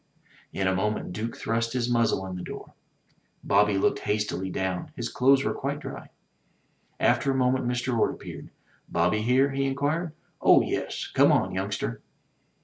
In a moment Duke thrust his muzzle in the door. Bobby looked hastily down. His clothes were quite dry. After a moment Mr. Orde appeared. "Bobby here?" he inquired. "Oh, yes! Come on, youngster."